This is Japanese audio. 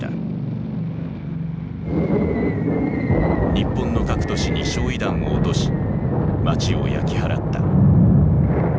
日本の各都市に焼い弾を落とし街を焼き払った。